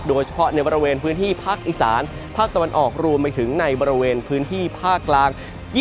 โดยเฉพาะในบริเวณพื้นที่ภาคอีสานภาคตะวันออกรวมไปถึงในบริเวณพื้นที่ภาคกลาง